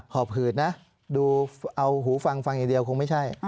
อบหืดนะดูเอาหูฟังฟังอย่างเดียวคงไม่ใช่